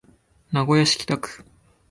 名古屋市北区